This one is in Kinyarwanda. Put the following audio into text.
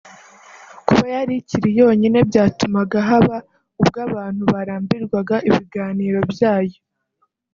Kuba yari ikiri yonyine byatumaga haba ubwo abantu barambirwa ibiganiro byayo